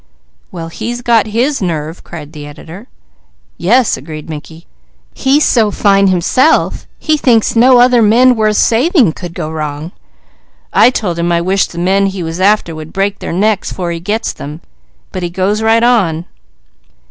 "Well he's got his nerve!" cried the editor. "Yes!" agreed Mickey. "He's so fine himself, he thinks no other men worth saving could go wrong. I told him I wished the men he was after would break their necks 'fore he gets them, but he goes right on."